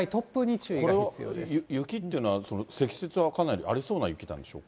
これは雪というのは、積雪はかなりありそうな雪なんでしょうか。